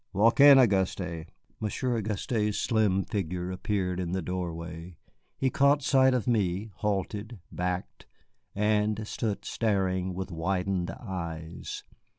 "Walk in, Auguste." Monsieur Auguste's slim figure appeared in the doorway. He caught sight of me, halted, backed, and stood staring with widened eyes.